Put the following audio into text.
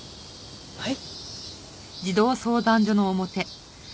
はい！